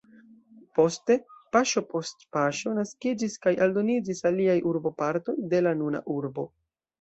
Poste paŝo post paŝo naskiĝis kaj aldoniĝis aliaj urbopartoj de la nuna urbo.